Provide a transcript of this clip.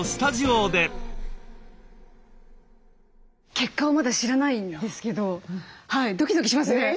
結果はまだ知らないんですけどドキドキしますね。